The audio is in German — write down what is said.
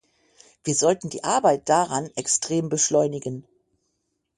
Wir sollten die Arbeit daran extrem beschleunigen.